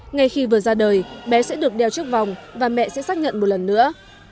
ngay khi vừa ra đời bé sẽ được đeo trước vòng và mẹ sẽ xác nhận một lần nữa